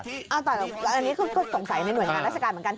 แต่อันนี้ก็สงสัยในหน่วยการรัฐการณ์เหมือนกัน